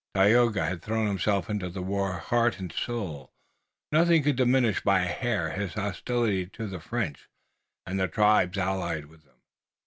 Tayoga had thrown himself into the war heart and soul. Nothing could diminish by a hair his hostility to the French and the tribes allied with them.